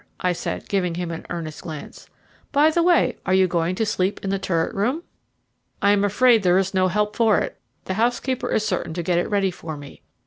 I said, giving him an earnest glance. "By the way, are you going to sleep in the turret room?" "I am afraid there is no help for it; the housekeeper is certain to get it ready for me.